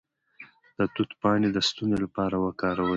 د توت پاڼې د ستوني لپاره وکاروئ